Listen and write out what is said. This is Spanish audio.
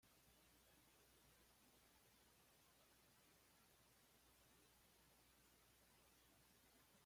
Tras su victoria olímpica, nunca volvió a conseguir triunfos importantes.